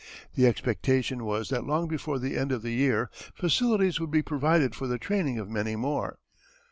The expectation was that long before the end of the year facilities would be provided for the training of many more.